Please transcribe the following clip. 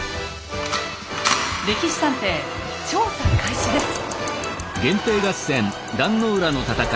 「歴史探偵」調査開始です。